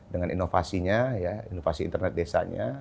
dengan inovasinya inovasi internet desanya